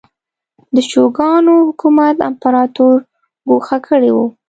د شوګانانو حکومت امپراتور ګوښه کړی و.